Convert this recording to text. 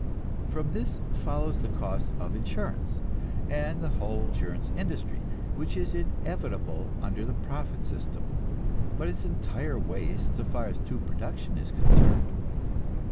From this follows the costs of insurance, and the whole insurance industry, which is inevitable under the profit system, but is entire waste so far as true production is concerned.